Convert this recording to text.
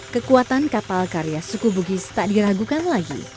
kekuatan kapal karya suku bugis tak diragukan lagi